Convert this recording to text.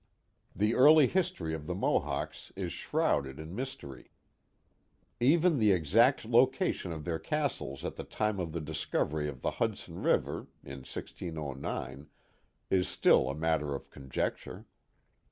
The early history of the Mohawks is shrouded in mystery. Even the exact location of their castles at the time of the discovery of the Hudson River (in 1609) is still a matter of conjecture.